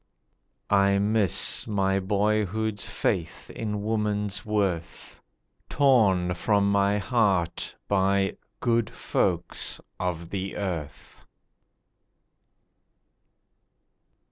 I miss my boyhood's faith in woman's worth— Torn from my heart, by 'good folks' of the earth.